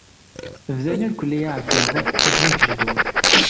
Bdan irkelli aεeggeḍ, kkaten agejdur.